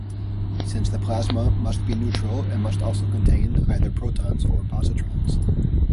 Since the plasma must be neutral, it must also contain either protons or positrons.